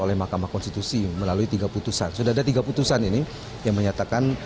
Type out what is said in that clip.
oleh mahkamah konstitusi melalui tiga putusan sudah ada tiga putusan ini yang menyatakan